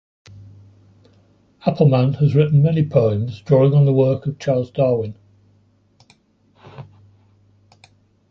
Appleman has written many poems drawing on the work of Charles Darwin.